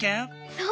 そう！